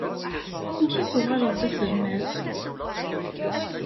Amek i tuɣaleḍ d aselmad?